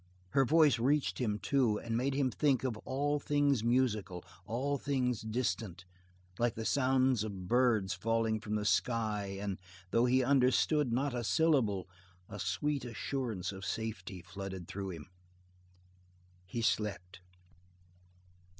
Her voice reached him, too, and made him think of all things musical, all things distant, like the sounds of birds falling from the sky and though he understood not a syllable, a sweet assurance of safety flooded through him. He slept.